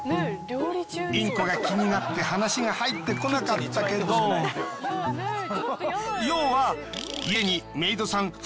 インコが気になって話が入ってこなかったけど要は家にメイドさん